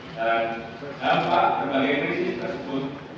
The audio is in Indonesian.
dan dampak berbagai krisis tersebut